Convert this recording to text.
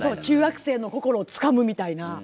中学生の心をつかむみたいな。